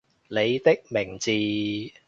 你的名字